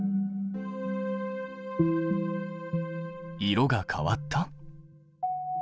色が変わった？